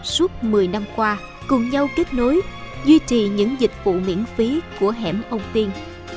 suốt một mươi năm qua cùng nhau kết nối duy trì những dịch vụ miễn phí của hẻm ông tiên